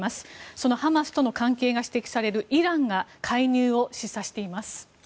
そのハマスとの関係が指摘されるイランが介入を示唆しています。